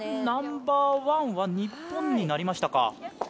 ナンバー１は日本になりまし